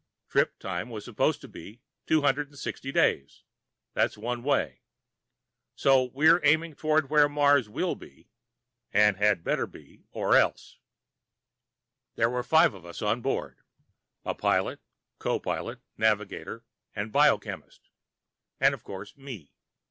Trip time is supposed to take 260 days (that's one way), so we're aimed toward where Mars will be (had better be, or else). There are five of us on board. A pilot, co pilot, navigator and biochemist. And, of course, me.